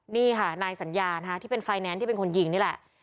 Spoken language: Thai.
นี่ค่ะนายสัญญานะคะที่เป็นไฟแนนซ์ที่เป็นคนยิงนี่แหละ